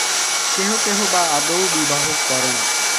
কেহ কেহ বা আদৌই বিবাহ করে না।